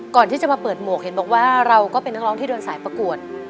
ก่อนที่จะมาเปิดหมวกเห็นบอกว่าเราก็เป็นนักร้องที่เดินสายประกวด